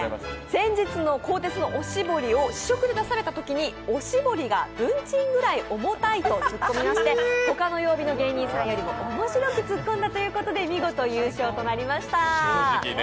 先日、鋼鉄のおしぼりを試食で出されたときにおしぼりが文鎮ぐらい重たいとツッコミまして他の曜日の芸人さんよりも面白く突っ込んだということで見事優勝となりました。